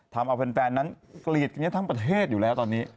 ทำเอาแฟนนั้นเกลียดกันทั้งประเทศอยู่แล้วตอนนี้